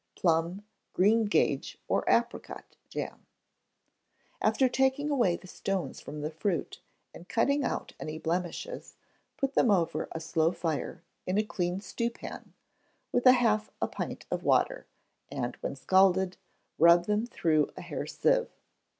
Plum, Green gage, or Apricot Jam After taking away the stones from the fruit, and cutting out any blemishes, put them over a slow fire, in a clean stewpan, with half a pint of water, and when scalded, rub them through a hair sieve.